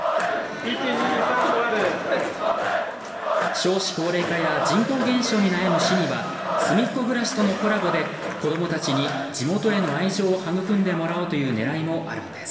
少子高齢化や人口減少に悩む市にはすみっコぐらしとのコラボで子どもたちに地元への愛情を育んでもらおうという狙いもあるんです。